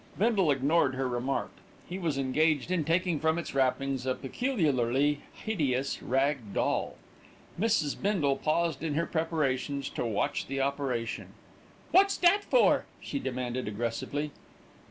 Bindle ignored her remark. He was engaged in taking from its wrappings a peculiarly hideous rag doll. Mrs. Bindle paused in her preparations to watch the operation. "What's that for?" she demanded aggressively.